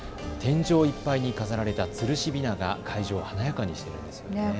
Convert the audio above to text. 天井いっぱいに飾られたつるしびなが会場を華やかにしていますね。